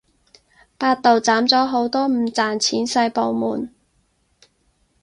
百度斬咗好多唔賺錢細部門